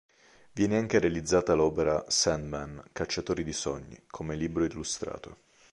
Viene anche realizzata l'opera "Sandman: Cacciatori di sogni" come libro illustrato.